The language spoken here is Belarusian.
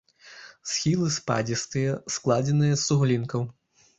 Схілы спадзістыя, складзеныя з суглінкаў.